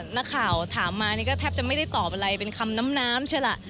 นักข่าวถามมานี่ก็แทบจะไม่ได้ตอบอะไรเป็นคำน้ำน้ำใช่ล่ะ